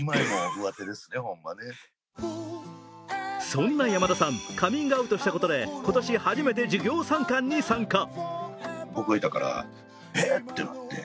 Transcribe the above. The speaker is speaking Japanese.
そんな山田さん、カミングアウトしたことで今年初めて授業参観に参加。